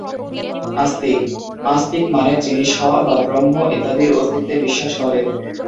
আস্তিক: আস্তিক মানে যিনি স্ব বা ব্রহ্ম ইত্যাদির অস্তিত্বে বিশ্বাস করেন।